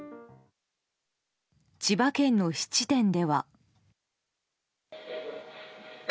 千葉県の質店では。